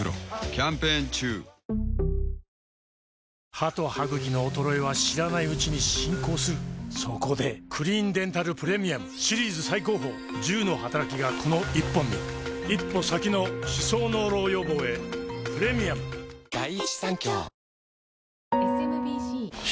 歯と歯ぐきの衰えは知らないうちに進行するそこで「クリーンデンタルプレミアム」シリーズ最高峰１０のはたらきがこの１本に一歩先の歯槽膿漏予防へプレミアムよしっ！